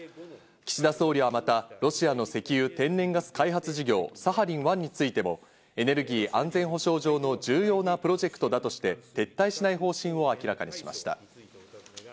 岸田総理はまた、ロシアの石油・天然ガス開発事業サハリン１についても、エネルギー安全保障上の重要なプロジェクトだとして、撤退しない方針を明らかにしました。